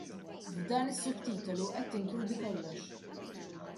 F'dan is-subtitolu qed tinkludi kollox.